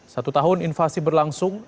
satu tahun invasi berlangsung